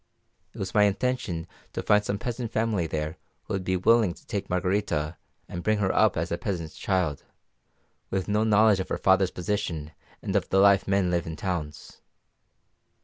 It was my intention to find some peasant family there who would be willing to take Margarita and bring her up as a peasant's child, with no knowledge of her father's position and of the life men live in towns.